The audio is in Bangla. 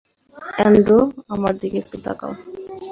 অ্যান্ড্রু, আমার দিকে একটু তাকাও।